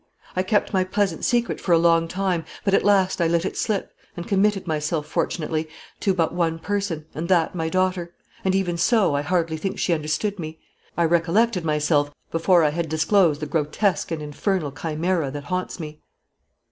I kept my pleasant secret for a long time, but at last I let it slip, and committed myself fortunately, to but one person, and that my daughter; and, even so, I hardly think she understood me. I recollected myself before I had disclosed the grotesque and infernal chimera that haunts me."